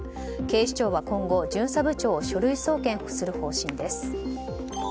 警視庁は今後、巡査部長を書類送検する方針です。